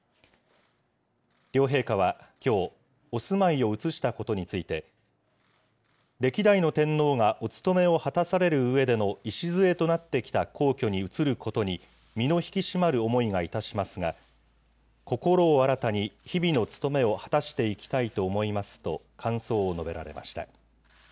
両陛下はきょう、お住まいを移したことについて、歴代の天皇がお務めを果たされるうえでの礎となってきた皇居に移ることに、身の引き締まる思いがいたしますが、心を新たに日々の務めを果たしていきたいと思いますと感想を述べられました。